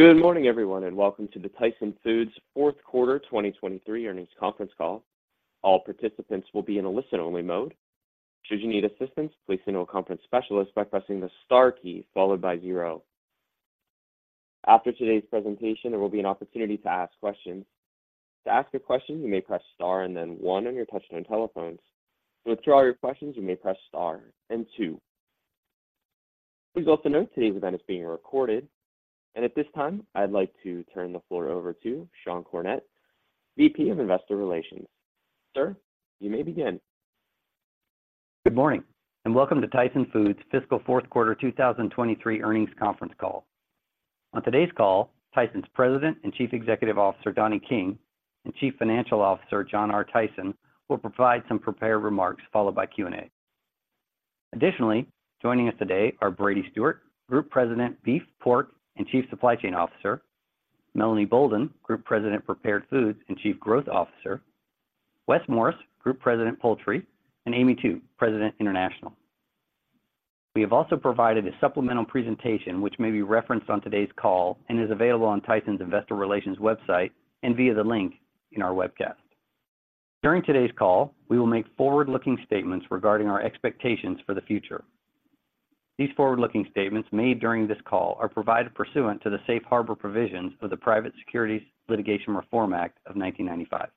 Good morning, everyone, and welcome to the Tyson Foods' fourth quarter 2023 earnings conference call. All participants will be in a listen-only mode. Should you need assistance, please signal a conference specialist by pressing the Star key followed by 0. After today's presentation, there will be an opportunity to ask questions. To ask a question, you may press Star and then 1 on your touchtone telephones. To withdraw your questions, you may press Star and 2. Please also note today's event is being recorded, and at this time, I'd like to turn the floor over to Sean Cornett, VP of Investor Relations. Sir, you may begin. Good morning, and welcome to Tyson Foods' fiscal fourth quarter 2023 earnings conference call. On today's call, Tyson's President and Chief Executive Officer, Donnie King, and Chief Financial Officer, John R. Tyson, will provide some prepared remarks followed by Q&A. Additionally, joining us today are Brady Stewart, Group President, Beef, Pork, and Chief Supply Chain Officer. Melanie Boulden, Group President, Prepared Foods, and Chief Growth Officer. Wes Morris, Group President, Poultry, and Amy Tu, President, International. We have also provided a supplemental presentation which may be referenced on today's call and is available on Tyson's Investor Relations website and via the link in our webcast. During today's call, we will make forward-looking statements regarding our expectations for the future. These forward-looking statements made during this call are provided pursuant to the Safe Harbor Provisions of the Private Securities Litigation Reform Act of 1995.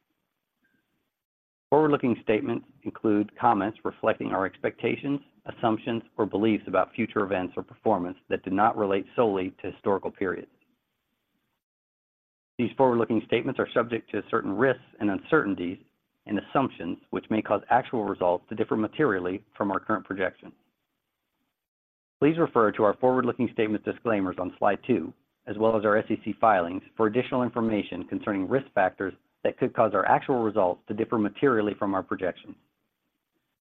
Forward-looking statements include comments reflecting our expectations, assumptions, or beliefs about future events or performance that do not relate solely to historical periods. These forward-looking statements are subject to certain risks and uncertainties and assumptions, which may cause actual results to differ materially from our current projections. Please refer to our forward-looking statement disclaimers on slide two, as well as our SEC filings for additional information concerning risk factors that could cause our actual results to differ materially from our projections.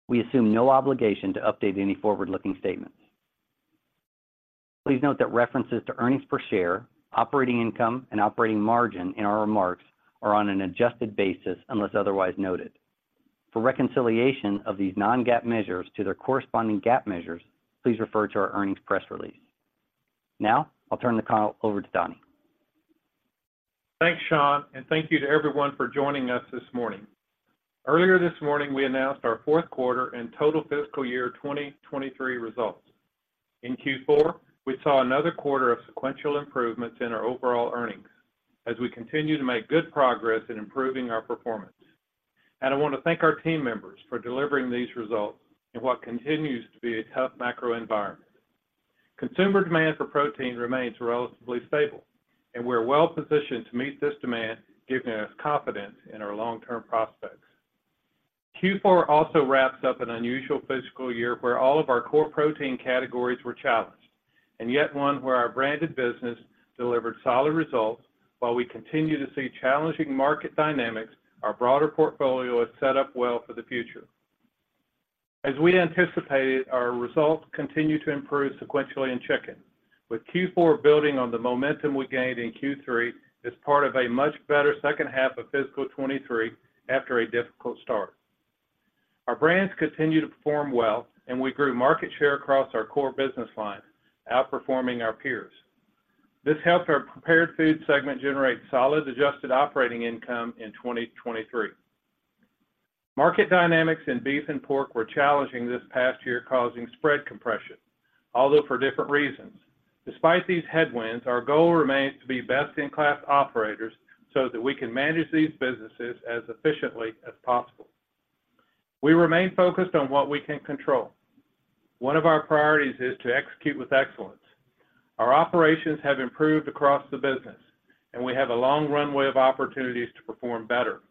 We assume no obligation to update any forward-looking statements. Please note that references to earnings per share, operating income, and operating margin in our remarks are on an adjusted basis, unless otherwise noted. For reconciliation of these non-GAAP measures to their corresponding GAAP measures, please refer to our earnings press release. Now, I'll turn the call over to Donnie. Thanks, Sean, and thank you to everyone for joining us this morning. Earlier this morning, we announced our fourth quarter and total fiscal year 2023 results. In Q4, we saw another quarter of sequential improvements in our overall earnings as we continue to make good progress in improving our performance. I want to thank our team members for delivering these results in what continues to be a tough macro environment. Consumer demand for protein remains relatively stable, and we're well-positioned to meet this demand, giving us confidence in our long-term prospects. Q4 also wraps up an unusual fiscal year where all of our core protein categories were challenged, and yet one where our branded business delivered solid results. While we continue to see challenging market dynamics, our broader portfolio is set up well for the future. As we anticipated, our results continued to improve sequentially in chicken, with Q4 building on the momentum we gained in Q3 as part of a much better second half of fiscal 2023 after a difficult start. Our brands continued to perform well, and we grew market share across our core business lines, outperforming our peers. This helped our prepared food segment generate solid adjusted operating income in 2023. Market dynamics in beef and pork were challenging this past year, causing spread compression, although for different reasons. Despite these headwinds, our goal remains to be best-in-class operators so that we can manage these businesses as efficiently as possible. We remain focused on what we can control. One of our priorities is to execute with excellence. Our operations have improved across the business, and we have a long runway of opportunities to perform better.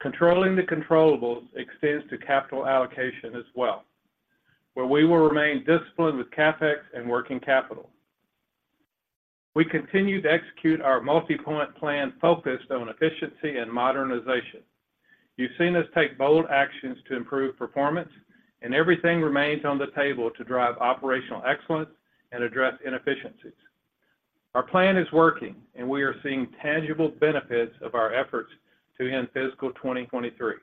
Controlling the controllables extends to capital allocation as well, where we will remain disciplined with CapEx and working capital. We continue to execute our multi-point plan focused on efficiency and modernization. You've seen us take bold actions to improve performance, and everything remains on the table to drive operational excellence and address inefficiencies. Our plan is working, and we are seeing tangible benefits of our efforts to end fiscal 2023.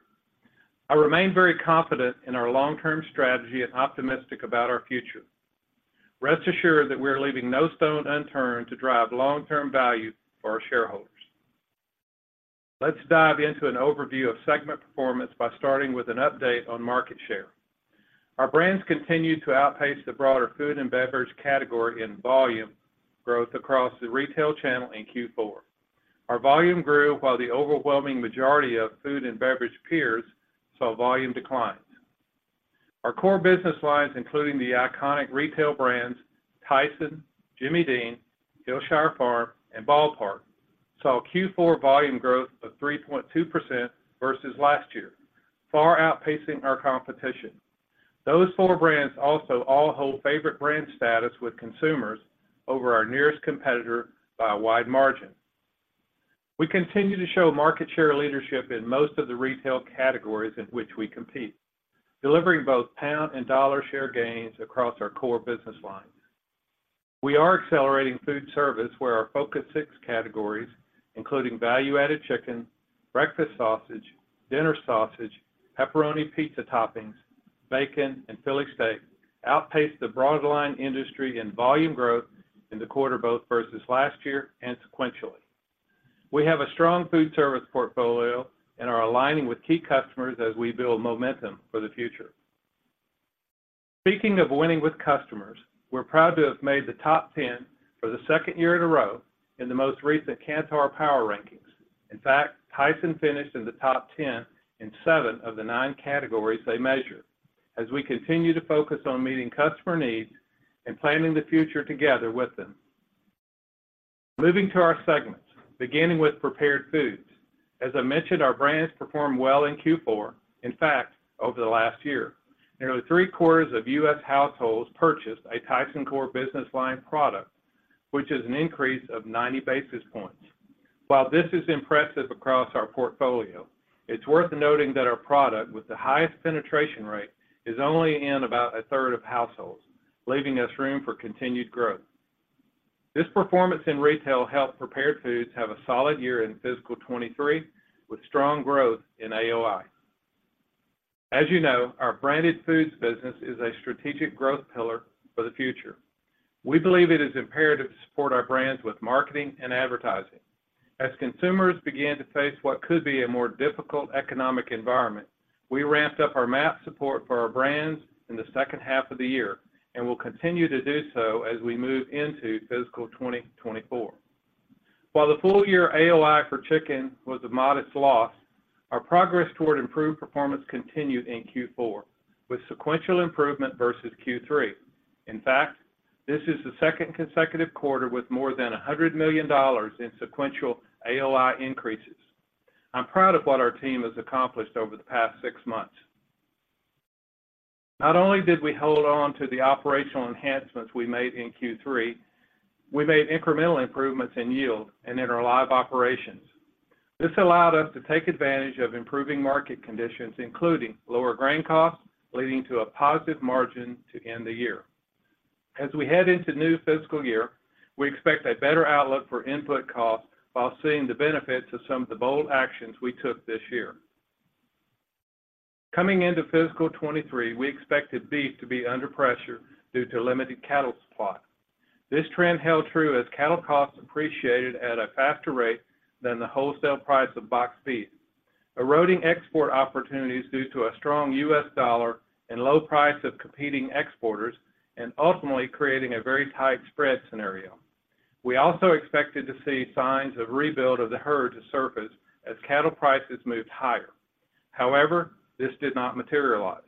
I remain very confident in our long-term strategy and optimistic about our future. Rest assured that we are leaving no stone unturned to drive long-term value for our shareholders. Let's dive into an overview of segment performance by starting with an update on market share. Our brands continued to outpace the broader food and beverage category in volume growth across the retail channel in Q4. Our volume grew while the overwhelming majority of food and beverage peers saw volume declines. Our core business lines, including the iconic retail brands, Tyson, Jimmy Dean, Hillshire Farm, and Ball Park, saw Q4 volume growth of 3.2% versus last year, far outpacing our competition. Those four brands also all hold favorite brand status with consumers over our nearest competitor by a wide margin. We continue to show market share leadership in most of the retail categories in which we compete, delivering both pound and dollar share gains across our core business lines. We are accelerating food service, where our Focus six categories, including value-added chicken, breakfast sausage, dinner sausage, pepperoni pizza toppings, bacon, and Philly steak outpaced the broadline industry in volume growth in the quarter, both versus last year and sequentially. We have a strong food service portfolio and are aligning with key customers as we build momentum for the future. Speaking of winning with customers, we're proud to have made the top 10 for the second year in a row in the most recent Kantar Power Rankings. In fact, Tyson finished in the top 10 in seven of the nine categories they measured. As we continue to focus on meeting customer needs and planning the future together with them. Moving to our segments, beginning with prepared foods. As I mentioned, our brands performed well in Q4. In fact, over the last year, nearly three-quarters of U.S. households purchased a Tyson core business line product, which is an increase of 90 basis points. While this is impressive across our portfolio, it's worth noting that our product with the highest penetration rate is only in about a third of households, leaving us room for continued growth. This performance in retail helped Prepared Foods have a solid year in fiscal 2023, with strong growth in AOI. As you know, our Branded Foods business is a strategic growth pillar for the future. We believe it is imperative to support our brands with marketing and advertising. As consumers begin to face what could be a more difficult economic environment, we ramped up our MAP support for our brands in the second half of the year, and will continue to do so as we move into fiscal 2024. While the full year AOI for Chicken was a modest loss, our progress toward improved performance continued in Q4, with sequential improvement versus Q3. In fact, this is the second consecutive quarter with more than $100 million in sequential AOI increases. I'm proud of what our team has accomplished over the past six months. Not only did we hold on to the operational enhancements we made in Q3, we made incremental improvements in yield and in our live operations. This allowed us to take advantage of improving market conditions, including lower grain costs, leading to a positive margin to end the year. As we head into the new fiscal year, we expect a better outlook for input costs while seeing the benefits of some of the bold actions we took this year. Coming into fiscal 2023, we expected beef to be under pressure due to limited cattle supply. This trend held true as cattle costs appreciated at a faster rate than the wholesale price of boxed beef, eroding export opportunities due to a strong U.S. dollar and low price of competing exporters, and ultimately creating a very tight spread scenario. We also expected to see signs of rebuild of the herd to surface as cattle prices moved higher. However, this did not materialize.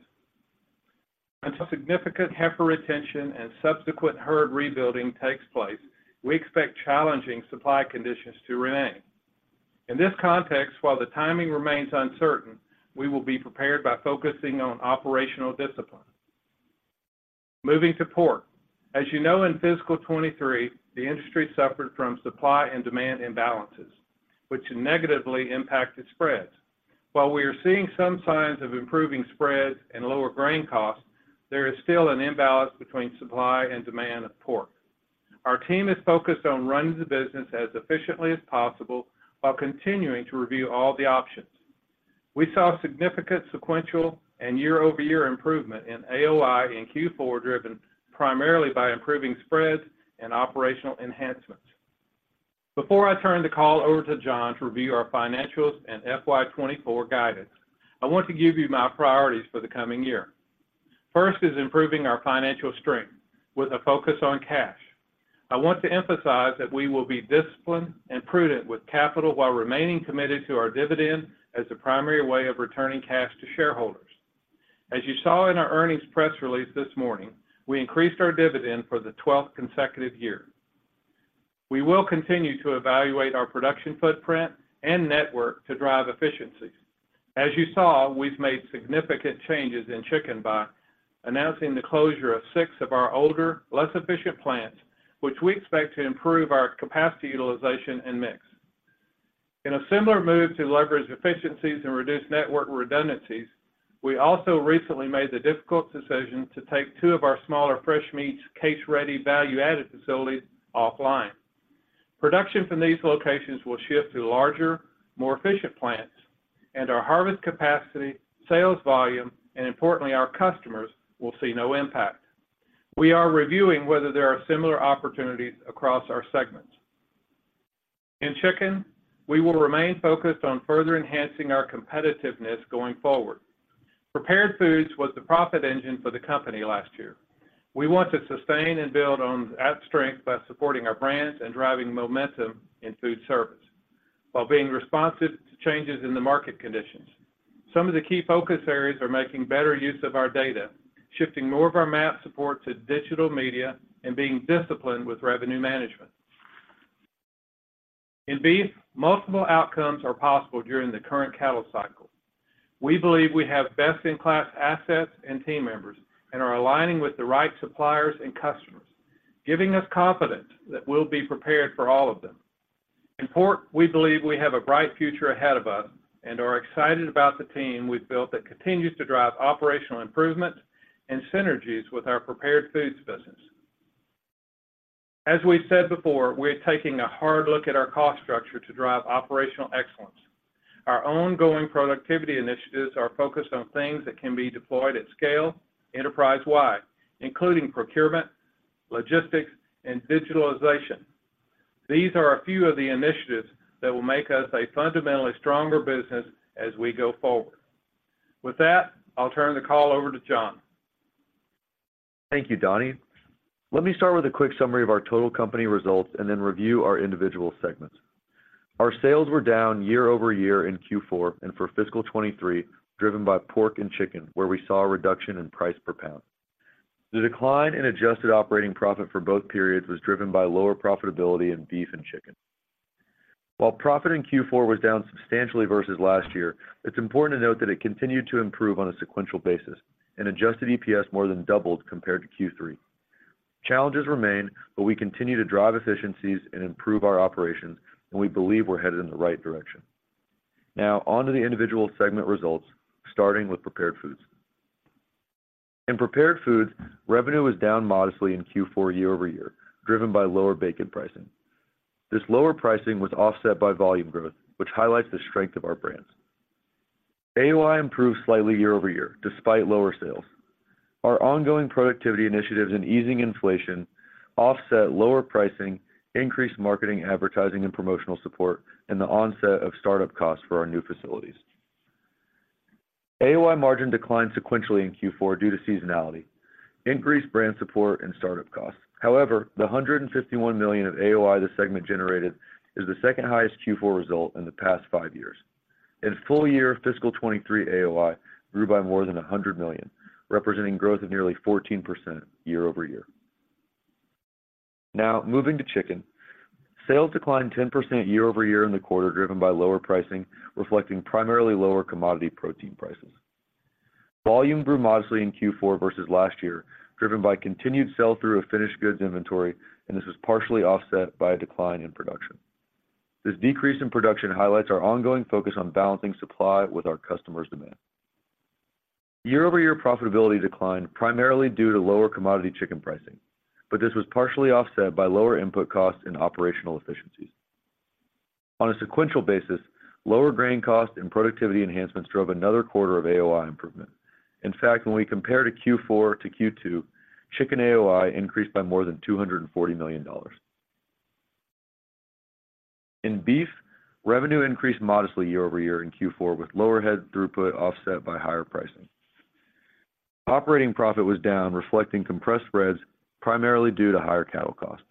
Until significant heifer retention and subsequent herd rebuilding takes place, we expect challenging supply conditions to remain. In this context, while the timing remains uncertain, we will be prepared by focusing on operational discipline. Moving to pork. As you know, in fiscal 2023, the industry suffered from supply and demand imbalances, which negatively impacted spreads. While we are seeing some signs of improving spreads and lower grain costs, there is still an imbalance between supply and demand of pork. Our team is focused on running the business as efficiently as possible while continuing to review all the options. We saw significant sequential and year-over-year improvement in AOI in Q4, driven primarily by improving spreads and operational enhancements. Before I turn the call over to John to review our financials and FY 2024 guidance, I want to give you my priorities for the coming year. First is improving our financial strength with a focus on cash. I want to emphasize that we will be disciplined and prudent with capital, while remaining committed to our dividend as the primary way of returning cash to shareholders. As you saw in our earnings press release this morning, we increased our dividend for the 12th consecutive year. We will continue to evaluate our production footprint and network to drive efficiencies. As you saw, we've made significant changes in chicken by announcing the closure of 6 of our older, less efficient plants, which we expect to improve our capacity, utilization, and mix. In a similar move to leverage efficiencies and reduce network redundancies, we also recently made the difficult decision to take 2 of our smaller fresh meats, case-ready, value-added facilities offline. Production from these locations will shift to larger, more efficient plants, and our harvest capacity, sales volume, and importantly, our customers, will see no impact. We are reviewing whether there are similar opportunities across our segments. In chicken, we will remain focused on further enhancing our competitiveness going forward. Prepared foods was the profit engine for the company last year. We want to sustain and build on that strength by supporting our brands and driving momentum in food service, while being responsive to changes in the market conditions. Some of the key focus areas are making better use of our data, shifting more of our MAP support to digital media, and being disciplined with revenue management. In beef, multiple outcomes are possible during the current cattle cycle. We believe we have best-in-class assets and team members, and are aligning with the right suppliers and customers, giving us confidence that we'll be prepared for all of them. In pork, we believe we have a bright future ahead of us and are excited about the team we've built that continues to drive operational improvements and synergies with our prepared foods business. As we've said before, we're taking a hard look at our cost structure to drive operational excellence. Our ongoing productivity initiatives are focused on things that can be deployed at scale enterprise-wide, including procurement, logistics, and digitalization. These are a few of the initiatives that will make us a fundamentally stronger business as we go forward. With that, I'll turn the call over to John. Thank you, Donnie. Let me start with a quick summary of our total company results and then review our individual segments. Our sales were down year-over-year in Q4 and for fiscal 2023, driven by pork and chicken, where we saw a reduction in price per pound. The decline in adjusted operating profit for both periods was driven by lower profitability in beef and chicken. While profit in Q4 was down substantially versus last year, it's important to note that it continued to improve on a sequential basis, and adjusted EPS more than doubled compared to Q3. Challenges remain, but we continue to drive efficiencies and improve our operations, and we believe we're headed in the right direction. Now, on to the individual segment results, starting with Prepared Foods. In Prepared Foods, revenue was down modestly in Q4 year-over-year, driven by lower bacon pricing. This lower pricing was offset by volume growth, which highlights the strength of our brands. AOI improved slightly year-over-year, despite lower sales. Our ongoing productivity initiatives and easing inflation offset lower pricing, increased marketing, advertising, and promotional support, and the onset of startup costs for our new facilities. AOI margin declined sequentially in Q4 due to seasonality, increased brand support and startup costs. However, the $151 million of AOI the segment generated is the second highest Q4 result in the past five years. In full year, fiscal 2023 AOI grew by more than $100 million, representing growth of nearly 14% year-over-year. Now moving to chicken. Sales declined 10% year-over-year in the quarter, driven by lower pricing, reflecting primarily lower commodity protein prices. Volume grew modestly in Q4 versus last year, driven by continued sell-through of finished goods inventory, and this was partially offset by a decline in production. This decrease in production highlights our ongoing focus on balancing supply with our customers' demand. Year-over-year profitability declined primarily due to lower commodity chicken pricing, but this was partially offset by lower input costs and operational efficiencies. On a sequential basis, lower grain costs and productivity enhancements drove another quarter of AOI improvement. In fact, when we compare to Q4 to Q2, chicken AOI increased by more than $240 million. In beef, revenue increased modestly year-over-year in Q4, with lower head throughput offset by higher pricing. Operating profit was down, reflecting compressed spreads, primarily due to higher cattle costs.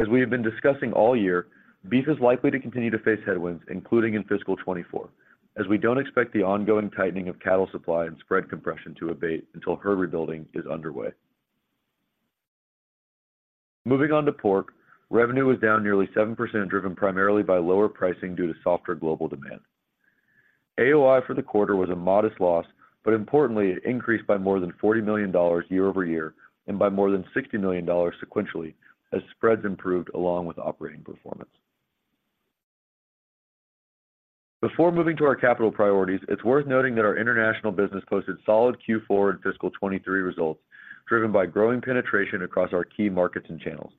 As we have been discussing all year, beef is likely to continue to face headwinds, including in fiscal 2024, as we don't expect the ongoing tightening of cattle supply and spread compression to abate until herd rebuilding is underway. Moving on to pork. Revenue was down nearly 7%, driven primarily by lower pricing due to softer global demand. AOI for the quarter was a modest loss, but importantly, it increased by more than $40 million year-over-year and by more than $60 million sequentially, as spreads improved along with operating performance. Before moving to our capital priorities, it's worth noting that our international business posted solid Q4 in fiscal 2023 results, driven by growing penetration across our key markets and channels.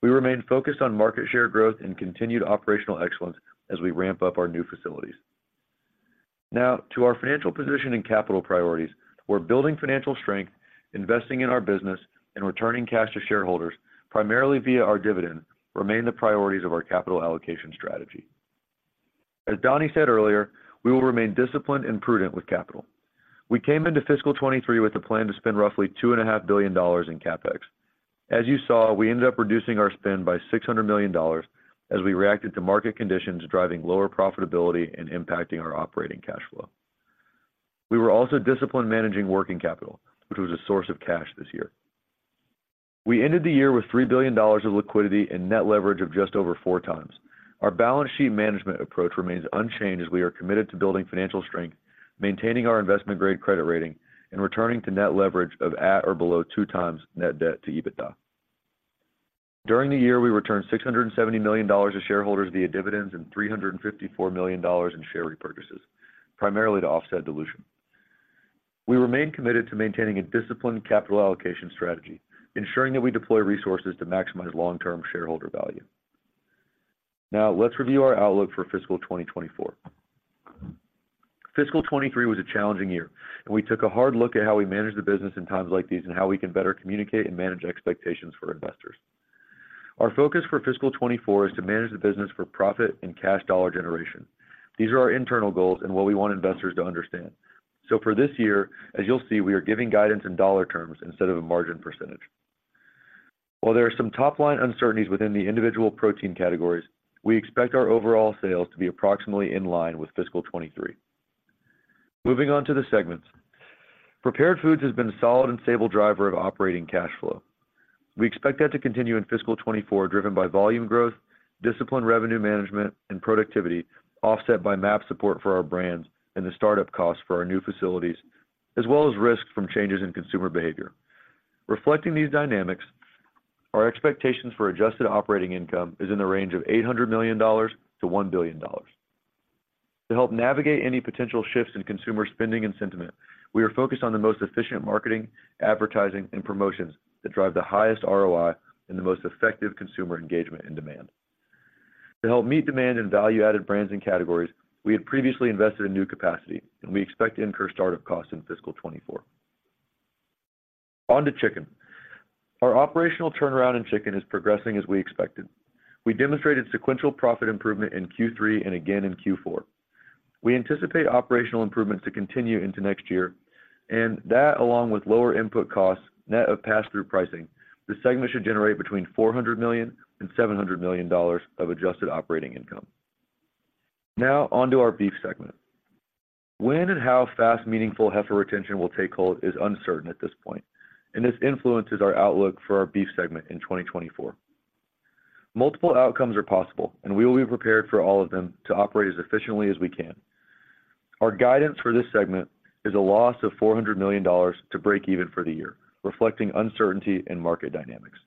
We remain focused on market share growth and continued operational excellence as we ramp up our new facilities. Now to our financial position and capital priorities. We're building financial strength, investing in our business, and returning cash to shareholders, primarily via our dividend, remain the priorities of our capital allocation strategy. As Donnie said earlier, we will remain disciplined and prudent with capital. We came into fiscal 2023 with a plan to spend roughly $2.5 billion in CapEx. As you saw, we ended up reducing our spend by $600 million as we reacted to market conditions, driving lower profitability and impacting our operating cash flow. We were also disciplined managing working capital, which was a source of cash this year. We ended the year with $3 billion of liquidity and net leverage of just over 4x. Our balance sheet management approach remains unchanged as we are committed to building financial strength, maintaining our investment-grade credit rating, and returning to net leverage of at or below 2x net debt to EBITDA. During the year, we returned $670 million to shareholders via dividends and $354 million in share repurchases, primarily to offset dilution. We remain committed to maintaining a disciplined capital allocation strategy, ensuring that we deploy resources to maximize long-term shareholder value. Now, let's review our outlook for fiscal 2024. Fiscal 2023 was a challenging year, and we took a hard look at how we manage the business in times like these and how we can better communicate and manage expectations for investors. Our focus for fiscal 2024 is to manage the business for profit and cash dollar generation. These are our internal goals and what we want investors to understand. So for this year, as you'll see, we are giving guidance in dollar terms instead of a margin percentage. While there are some top-line uncertainties within the individual protein categories, we expect our overall sales to be approximately in line with fiscal 2023. Moving on to the segments. Prepared Foods has been a solid and stable driver of operating cash flow. We expect that to continue in fiscal 2024, driven by volume growth, disciplined revenue management, and productivity, offset by MAP support for our brands and the start-up costs for our new facilities, as well as risks from changes in consumer behavior. Reflecting these dynamics, our expectations for adjusted operating income is in the range of $800 million-$1 billion. To help navigate any potential shifts in consumer spending and sentiment, we are focused on the most efficient marketing, advertising, and promotions that drive the highest ROI and the most effective consumer engagement and demand. To help meet demand in value-added brands and categories, we had previously invested in new capacity, and we expect to incur startup costs in fiscal 2024. On to chicken. Our operational turnaround in chicken is progressing as we expected. We demonstrated sequential profit improvement in Q3 and again in Q4. We anticipate operational improvements to continue into next year, and that, along with lower input costs, net of pass-through pricing, the segment should generate between $400 million and $700 million of adjusted operating income. Now, on to our beef segment. When and how fast meaningful heifer retention will take hold is uncertain at this point, and this influences our outlook for our beef segment in 2024. Multiple outcomes are possible, and we will be prepared for all of them to operate as efficiently as we can. Our guidance for this segment is a loss of $400 million to break even for the year, reflecting uncertainty in market dynamics.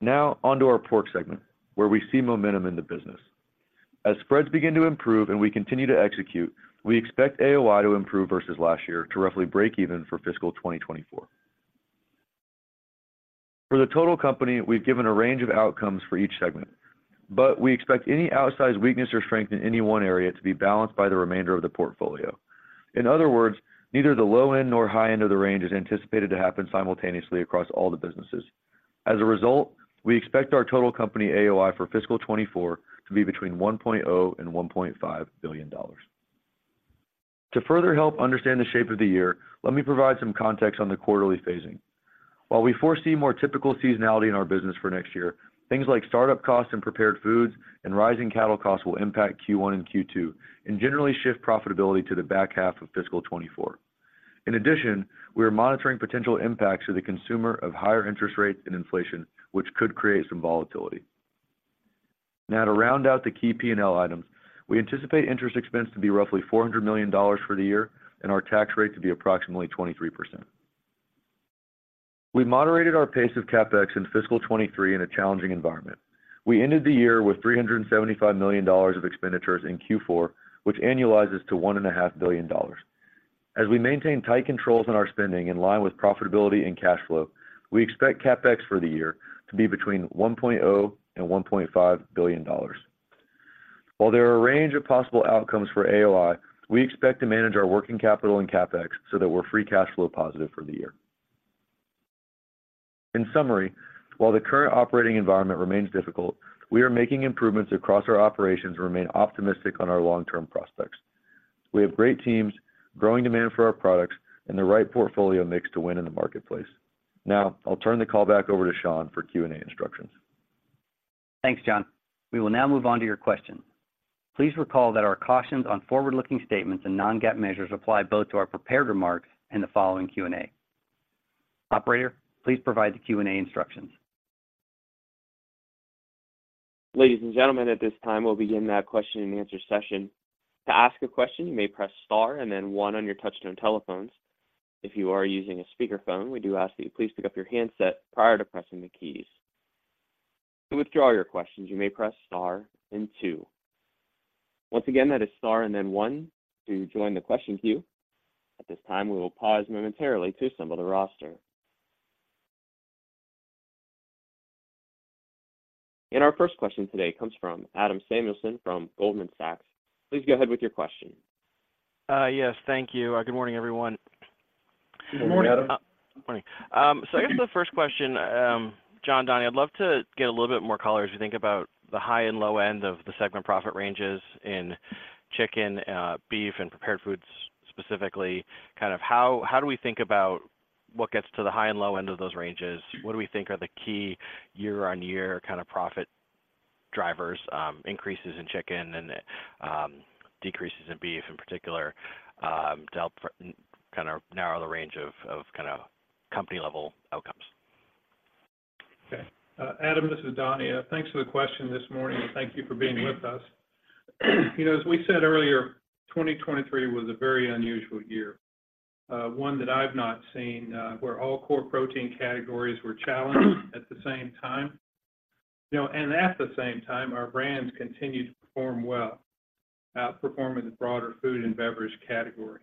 Now, on to our pork segment, where we see momentum in the business. As spreads begin to improve and we continue to execute, we expect AOI to improve versus last year to roughly break even for fiscal 2024. For the total company, we've given a range of outcomes for each segment, but we expect any outsized weakness or strength in any one area to be balanced by the remainder of the portfolio. In other words, neither the low end nor high end of the range is anticipated to happen simultaneously across all the businesses. As a result, we expect our total company AOI for fiscal 2024 to be between $1.0 billion and $1.5 billion. To further help understand the shape of the year, let me provide some context on the quarterly phasing. While we foresee more typical seasonality in our business for next year, things like startup costs in prepared foods and rising cattle costs will impact Q1 and Q2, and generally shift profitability to the back half of fiscal 2024. In addition, we are monitoring potential impacts to the consumer of higher interest rates and inflation, which could create some volatility. Now to round out the key P&L items, we anticipate interest expense to be roughly $400 million for the year and our tax rate to be approximately 23%. We moderated our pace of CapEx in fiscal 2023 in a challenging environment. We ended the year with $375 million of expenditures in Q4, which annualizes to $1.5 billion. As we maintain tight controls on our spending in line with profitability and cash flow, we expect CapEx for the year to be between $1.0 billion and $1.5 billion. While there are a range of possible outcomes for AOI, we expect to manage our working capital and CapEx so that we're free cash flow positive for the year. In summary, while the current operating environment remains difficult, we are making improvements across our operations and remain optimistic on our long-term prospects. We have great teams, growing demand for our products, and the right portfolio mix to win in the marketplace. Now, I'll turn the call back over to Sean for Q&A instructions. Thanks, John. We will now move on to your questions. Please recall that our cautions on forward-looking statements and non-GAAP measures apply both to our prepared remarks and the following Q&A. Operator, please provide the Q&A instructions. Ladies and gentlemen, at this time, we'll begin that question and answer session. To ask a question, you may press star and then one on your touchtone telephones. If you are using a speakerphone, we do ask that you please pick up your handset prior to pressing the keys. To withdraw your questions, you may press star and two. Once again, that is star and then one to join the question queue. At this time, we will pause momentarily to assemble the roster. Our first question today comes from Adam Samuelson from Goldman Sachs. Please go ahead with your question. Yes, thank you. Good morning, everyone. Good morning, Adam. Morning. So I guess the first question, John, Donnie, I'd love to get a little bit more color as you think about the high and low end of the segment profit ranges in chicken, beef, and prepared foods, specifically. Kind of how do we think about what gets to the high and low end of those ranges? What do we think are the key year-on-year kind of profit drivers, increases in chicken and, decreases in beef, in particular, to help kind of narrow the range of kind of company-level outcomes? Okay. Adam, this is Donnie. Thanks for the question this morning, and thank you for being with us. You know, as we said earlier, 2023 was a very unusual year, one that I've not seen, where all core protein categories were challenged at the same time. You know, and at the same time, our brands continued to perform well, performing the broader food and beverage category.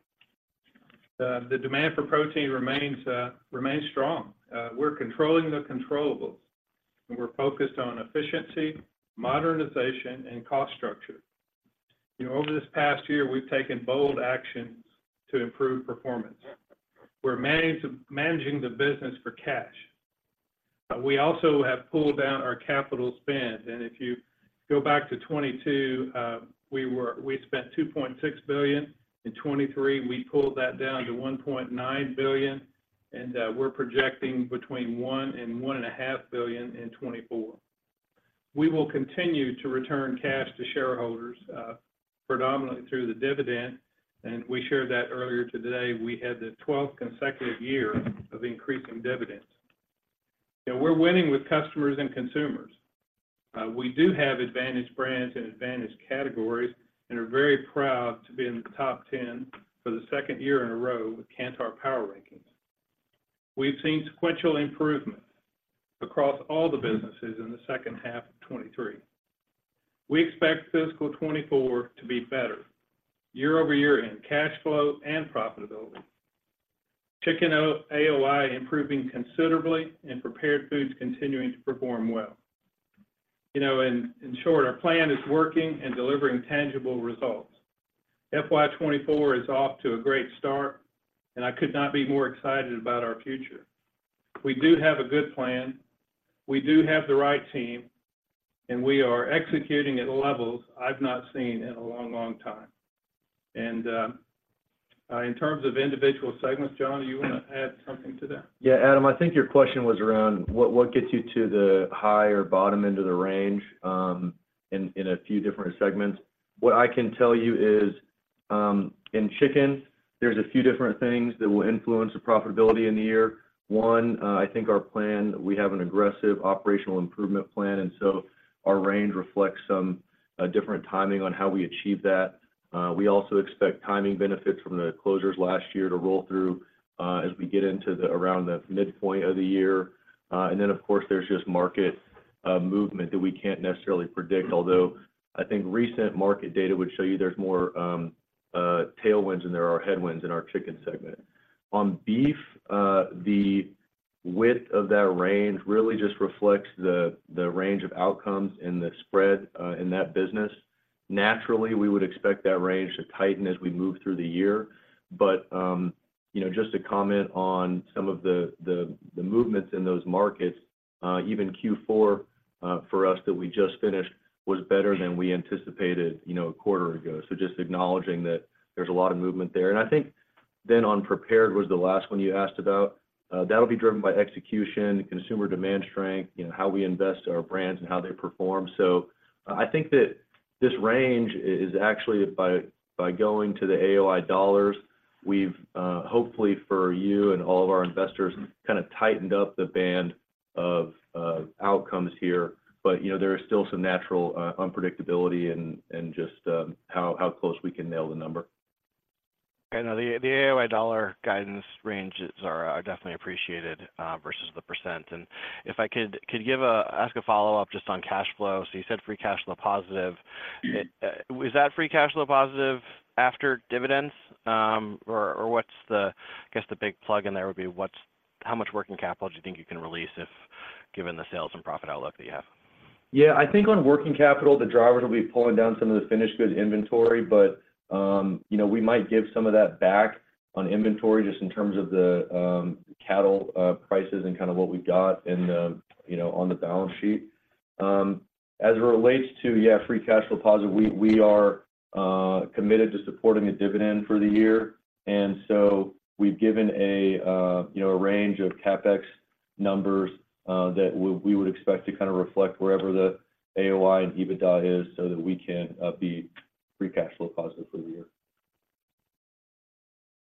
The demand for protein remains, remains strong. We're controlling the controllables, and we're focused on efficiency, modernization, and cost structure. You know, over this past year, we've taken bold actions to improve performance. We're managing the business for cash. We also have pulled down our capital spend, and if you go back to 2022, we spent $2.6 billion. In 2023, we pulled that down to $1.9 billion, and we're projecting between $1 billion and $1.5 billion in 2024. We will continue to return cash to shareholders, predominantly through the dividend, and we shared that earlier today. We had the 12th consecutive year of increasing dividends. We're winning with customers and consumers. We do have advantage brands and advantage categories and are very proud to be in the top ten for the 2nd year in a row with Kantar Power Rankings. We've seen sequential improvements across all the businesses in the second half of 2023. We expect fiscal 2024 to be better year-over-year in cash flow and profitability. Chicken, AOI improving considerably and prepared foods continuing to perform well. You know, in short, our plan is working and delivering tangible results. FY 2024 is off to a great start, and I could not be more excited about our future. We do have a good plan, we do have the right team, and we are executing at levels I've not seen in a long, long time. And, in terms of individual segments, John, do you want to add something to that? Yeah, Adam, I think your question was around what gets you to the high or bottom end of the range in a few different segments. What I can tell you is, in chicken, there's a few different things that will influence the profitability in the year. One, I think our plan, we have an aggressive operational improvement plan, and so our range reflects some different timing on how we achieve that. We also expect timing benefits from the closures last year to roll through, as we get into around the midpoint of the year. And then of course, there's just market movement that we can't necessarily predict. Although, I think recent market data would show you there's more tailwinds than there are headwinds in our chicken segment. On beef, the width of that range really just reflects the range of outcomes and the spread in that business. Naturally, we would expect that range to tighten as we move through the year, but you know, just to comment on some of the movements in those markets, even Q4 for us that we just finished was better than we anticipated, you know, a quarter ago. So just acknowledging that there's a lot of movement there. And I think then on prepared was the last one you asked about. That'll be driven by execution, consumer demand strength, you know, how we invest in our brands and how they perform. So I think that this range is actually by going to the AOI dollars, we've hopefully for you and all of our investors, kind of tightened up the band of outcomes here. But, you know, there is still some natural unpredictability and just how close we can nail the number. I know the AOI dollar guidance ranges are definitely appreciated versus the percent. And if I could ask a follow-up just on cash flow. So you said free cash flow positive. Mm-hmm. Was that free cash flow positive after dividends? Or what's the. I guess, the big plug in there would be what's how much working capital do you think you can release if given the sales and profit outlook that you have? Yeah, I think on working capital, the drivers will be pulling down some of the finished goods inventory, but, you know, we might give some of that back on inventory just in terms of the, cattle, prices and kind of what we've got in the, you know, on the balance sheet. As it relates to, yeah, free cash flow positive, we, we are, committed to supporting a dividend for the year, and so we've given a, you know, a range of CapEx numbers, that we, we would expect to kind of reflect wherever the AOI and EBITDA is, so that we can, be free cash flow positive for the year.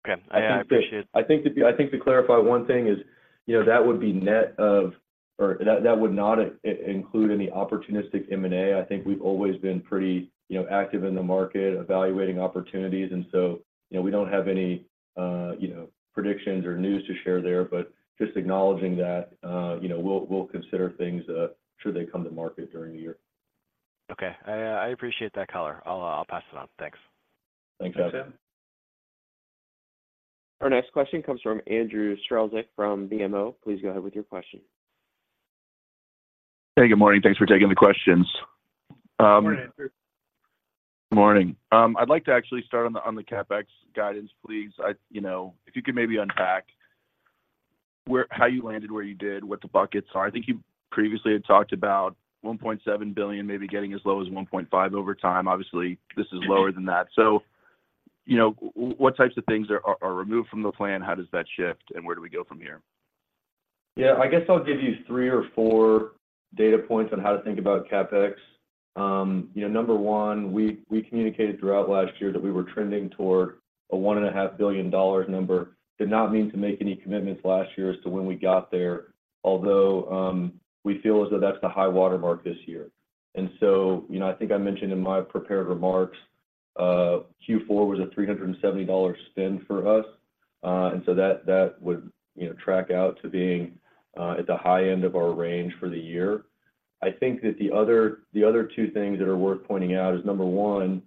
Okay. I appreciate. I think to clarify, one thing is, you know, that would be net of or that would not include any opportunistic M&A. I think we've always been pretty, you know, active in the market, evaluating opportunities, and so, you know, we don't have any, you know, predictions or news to share there, but just acknowledging that, you know, we'll consider things should they come to market during the year. Okay. I appreciate that color. I'll pass it on. Thanks. Thanks, Adam. Thanks, Adam. Our next question comes from Andrew Strelzik from BMO. Please go ahead with your question. Hey, good morning. Thanks for taking the questions. Good morning, Andrew. Good morning. I'd like to actually start on the CapEx guidance, please. You know, if you could maybe unpack how you landed, where you did, what the buckets are. I think you previously had talked about $1.7 billion, maybe getting as low as $1.5 billion over time. Obviously, this is lower than that. So, you know, what types of things are removed from the plan? How does that shift, and where do we go from here? Yeah, I guess I'll give you three or four data points on how to think about CapEx. You know, number one, we communicated throughout last year that we were trending toward a $1.5 billion number. Did not mean to make any commitments last year as to when we got there, although we feel as though that's the high water mark this year. And so, you know, I think I mentioned in my prepared remarks, Q4 was a $370 spend for us, and so that would, you know, track out to being at the high end of our range for the year. I think that the other, the other two things that are worth pointing out is, number one,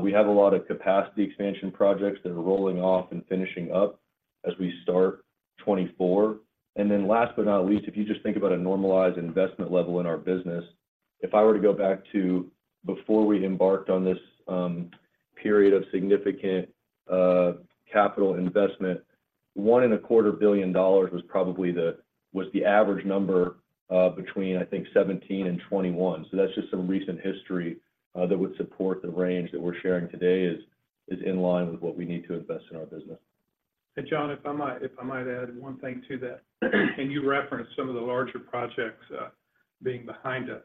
we have a lot of capacity expansion projects that are rolling off and finishing up as we start 2024. And then last but not least, if you just think about a normalized investment level in our business, if I were to go back to before we embarked on this, period of significant, capital investment, $1.25 billion was probably the—was the average number, between, I think, 2017 and 2021. So that's just some recent history, that would support the range that we're sharing today is in line with what we need to invest in our business. And John, if I might, if I might add one thing to that. You referenced some of the larger projects being behind us.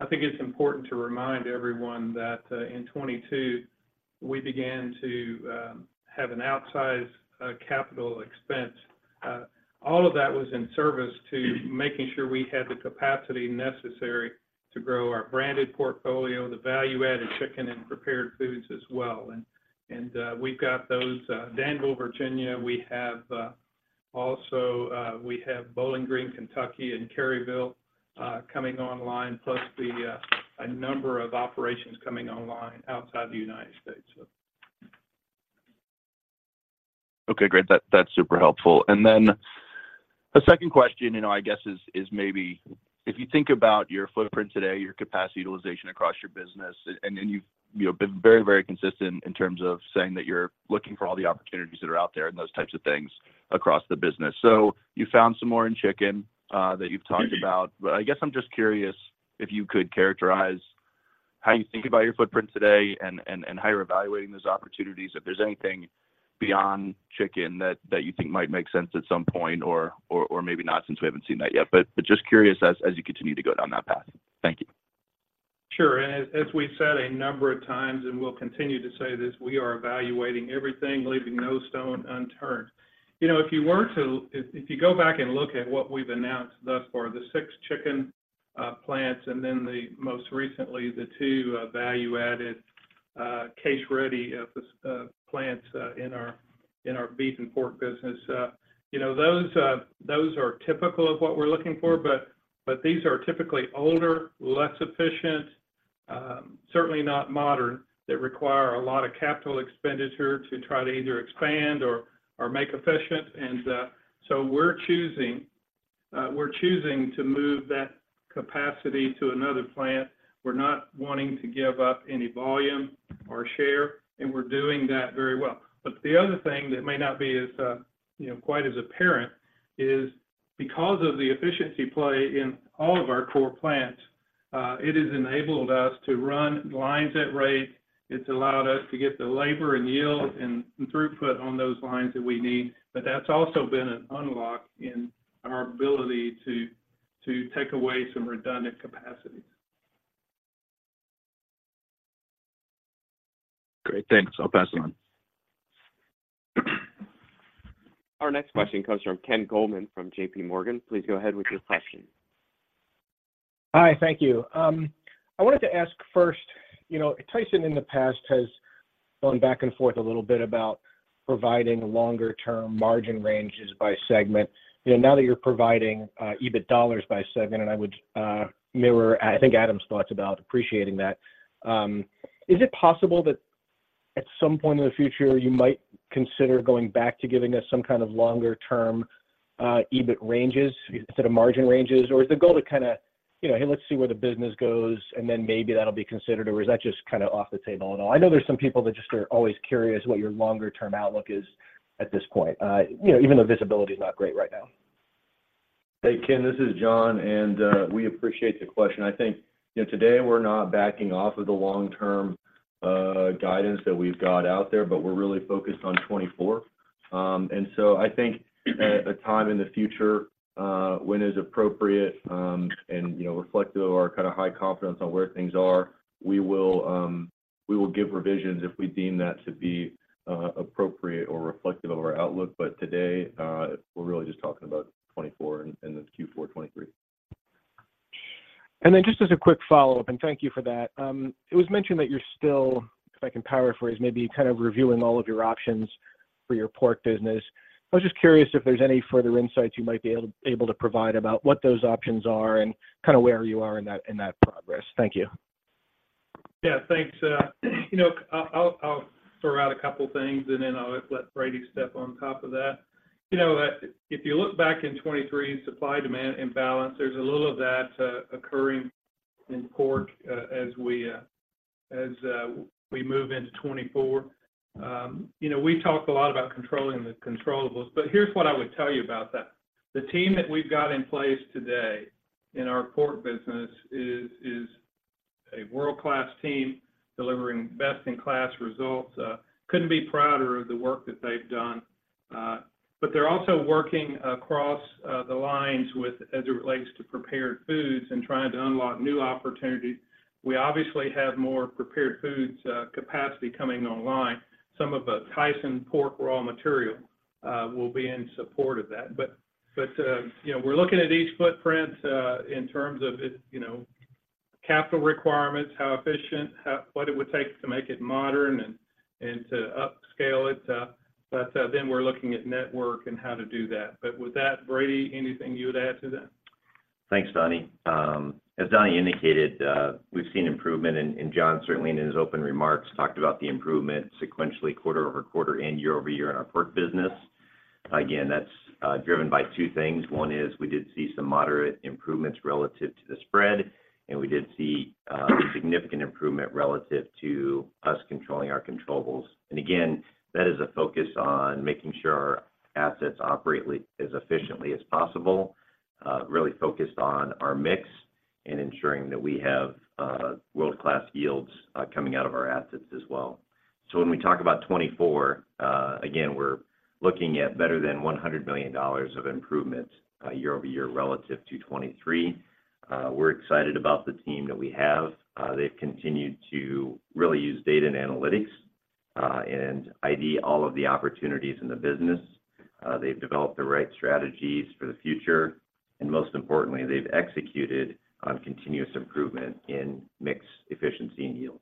I think it's important to remind everyone that in 2022, we began to have an outsized capital expense. All of that was in service to making sure we had the capacity necessary to grow our branded portfolio, the value-added chicken and prepared foods as well. And we've got those, Danville, Virginia. We have Bowling Green, Kentucky, and Caryville coming online, plus a number of operations coming online outside the United States, so. Okay, great. That, that's super helpful. And then the second question, you know, I guess is, is maybe if you think about your footprint today, your capacity utilization across your business, and, and you've, you know, been very, very consistent in terms of saying that you're looking for all the opportunities that are out there and those types of things across the business. So you found some more in chicken that you've talked about. But I guess I'm just curious if you could characterize how you think about your footprint today and how you're evaluating those opportunities, if there's anything beyond chicken that you think might make sense at some point or maybe not, since we haven't seen that yet. But just curious as you continue to go down that path. Thank you. Sure. And as we've said a number of times, and we'll continue to say this, we are evaluating everything, leaving no stone unturned. You know, if you go back and look at what we've announced thus far, the 6 chicken plants and then the most recently, the 2 value-added case-ready plants in our beef and pork business, you know, those are typical of what we're looking for, but these are typically older, less efficient, certainly not modern, that require a lot of capital expenditure to try to either expand or make efficient. And so we're choosing to move that capacity to another plant. We're not wanting to give up any volume or share, and we're doing that very well. But the other thing that may not be as, you know, quite as apparent is because of the efficiency play in all of our core plants. It has enabled us to run lines at rate. It's allowed us to get the labor and yield and, and throughput on those lines that we need, but that's also been an unlock in our ability to, to take away some redundant capacities. Great, thanks. I'll pass it on. Our next question comes from Ken Goldman from JP Morgan. Please go ahead with your question. Hi, thank you. I wanted to ask first, you know, Tyson in the past has gone back and forth a little bit about providing longer-term margin ranges by segment. You know, now that you're providing EBIT dollars by segment, and I would mirror, I think, Adam's thoughts about appreciating that, is it possible that at some point in the future you might consider going back to giving us some kind of longer-term EBIT ranges instead of margin ranges? Or is the goal to kind of, you know, "Hey, let's see where the business goes, and then maybe that'll be considered," or is that just kind of off the table at all? I know there's some people that just are always curious what your longer-term outlook is at this point, you know, even though visibility is not great right now. Hey, Ken, this is John, and we appreciate the question. I think, you know, today we're not backing off of the long-term guidance that we've got out there, but we're really focused on 2024. And so I think at a time in the future, when it's appropriate, and, you know, reflective of our kind of high confidence on where things are, we will give revisions if we deem that to be appropriate or reflective of our outlook. But today, we're really just talking about 2024 and then Q4 2023. Then just as a quick follow-up, and thank you for that. It was mentioned that you're still, if I can paraphrase, maybe kind of reviewing all of your options for your pork business. I was just curious if there's any further insights you might be able to provide about what those options are and kind of where you are in that, in that progress. Thank you. Yeah, thanks. You know, I'll throw out a couple things, and then I'll let Brady step on top of that. You know, if you look back in 2023, supply-demand imbalance, there's a little of that occurring in pork as we move into 2024. You know, we talk a lot about controlling the controllables, but here's what I would tell you about that. The team that we've got in place today in our pork business is a world-class team delivering best-in-class results. Couldn't be prouder of the work that they've done, but they're also working across the lines with as it relates to prepared foods and trying to unlock new opportunities. We obviously have more prepared foods capacity coming online. Some of the Tyson pork raw material will be in support of that. But, you know, we're looking at each footprint in terms of its, you know, capital requirements, how efficient, what it would take to make it modern and to upscale it, but then we're looking at network and how to do that. But with that, Brady, anything you'd add to that? Thanks, Donnie. As Donnie indicated, we've seen improvement, and and John certainly in his open remarks, talked about the improvement sequentially, quarter-over-quarter and year-over-year in our pork business. Again, that's driven by two things. One is we did see some moderate improvements relative to the spread, and we did see a significant improvement relative to us controlling our controllables. And again, that is a focus on making sure our assets operate as efficiently as possible, really focused on our mix and ensuring that we have world-class yields coming out of our assets as well. So when we talk about 2024, again, we're looking at better than $100 million of improvement year-over-year relative to 2023. We're excited about the team that we have. They've continued to really use data and analytics, and ID all of the opportunities in the business. They've developed the right strategies for the future, and most importantly, they've executed on continuous improvement in mix, efficiency, and yields.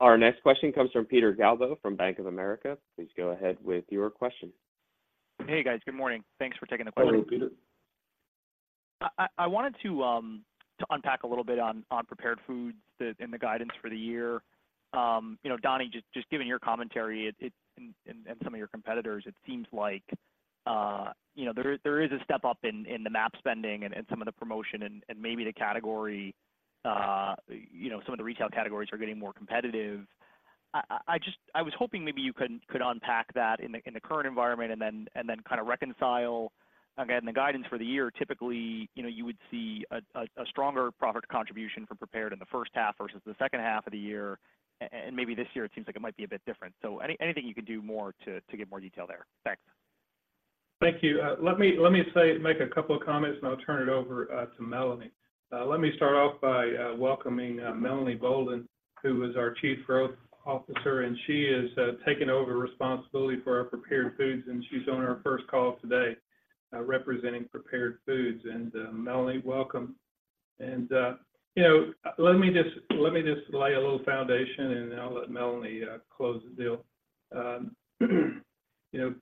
Our next question comes from Peter Galbo from Bank of America. Please go ahead with your question. Hey, guys. Good morning. Thanks for taking the call. Hello, Peter. I wanted to unpack a little bit on prepared foods and the guidance for the year. You know, Donnie, just given your commentary and some of your competitors, it seems like, you know, there is a step up in the MAP spending and some of the promotion and maybe the category, you know, some of the retail categories are getting more competitive. I just, I was hoping maybe you could unpack that in the current environment, and then kind of reconcile. Again, the guidance for the year, typically, you know, you would see a stronger profit contribution from prepared in the first half versus the second half of the year, and maybe this year it seems like it might be a bit different. So anything you can do more to give more detail there. Thanks. Thank you. Let me make a couple of comments, and I'll turn it over to Melanie. Let me start off by welcoming Melanie Boulden, who is our Chief Growth Officer, and she is taking over responsibility for our prepared foods, and she's on our first call today representing prepared foods. Melanie, welcome. You know, let me just lay a little foundation, and then I'll let Melanie close the deal. You know,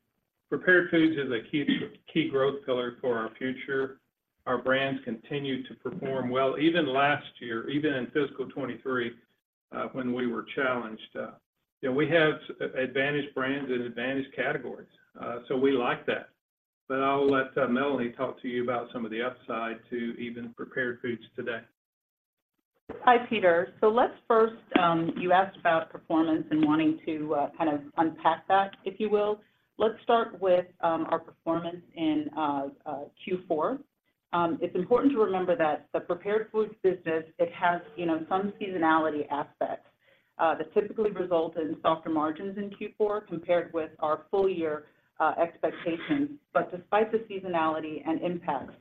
prepared foods is a key, key growth pillar for our future. Our brands continue to perform well. Even last year, even in fiscal 2023, when we were challenged, you know, we have advantaged brands and advantaged categories, so we like that. But I'll let Melanie talk to you about some of the upside to even Prepared Foods today. Hi, Peter. So let's first. You asked about performance and wanting to, kind of unpack that, if you will. Let's start with, our performance in, Q4. It's important to remember that the prepared foods business, it has, you know, some seasonality aspects, that typically result in softer margins in Q4 compared with our full year, expectations. But despite the seasonality and impacts,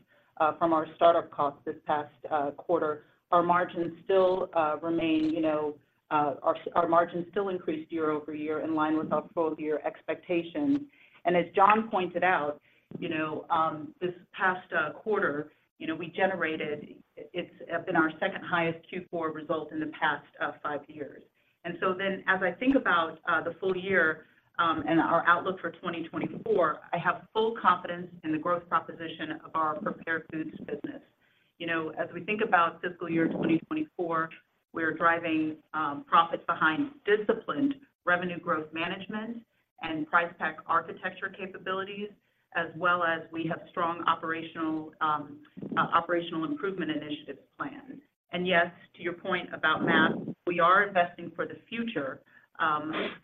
from our startup costs this past, quarter, our margins still, remain, you know-- our margins still increased year-over-year, in line with our full year expectations. And as John pointed out, you know, this past, quarter, you know, we generated, it's, been our second highest Q4 result in the past, five years. As I think about the full year and our outlook for 2024, I have full confidence in the growth proposition of our prepared foods business. You know, as we think about fiscal year 2024, we're driving profits behind disciplined revenue growth management and price pack architecture capabilities, as well as we have strong operational improvement initiatives planned. And yes, to your point about MAP, we are investing for the future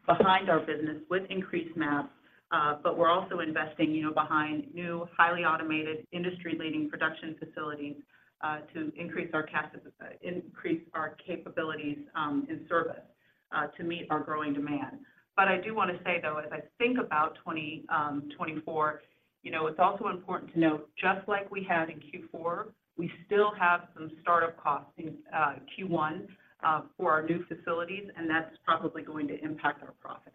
behind our business with increased MAP, but we're also investing, you know, behind new, highly automated, industry-leading production facilities to increase our capabilities in service to meet our growing demand. But I do want to say, though, as I think about 2024, you know, it's also important to note, just like we had in Q4, we still have some start-up costs in Q1 for our new facilities, and that's probably going to impact our profit.